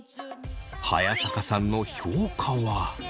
早坂さんの評価は。